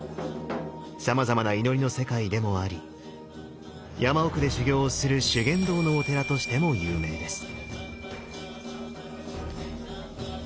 さまざまな祈りの世界でもあり山奥で修行をする修験道のお寺としても有名です。